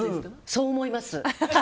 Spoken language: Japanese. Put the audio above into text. そう思います。